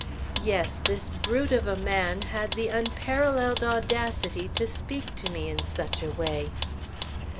Yes! this brute of a man had the unparalleled audacity to speak to me in such a way!